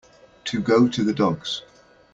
To go to the dogs.